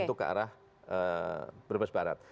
untuk ke arah brebes barat